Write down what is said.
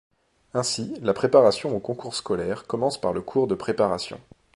Ainsi, la préparation au concours scolaire commence par le cours de préparation.